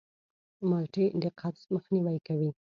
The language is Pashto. مالټې د قبض مخنیوی کوي.